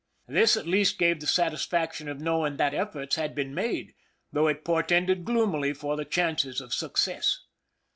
This at least gave the satisfaction of knowing that efforts had been made, though it portended gloomily for the chances of success.